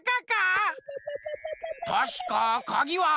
たしかかぎは。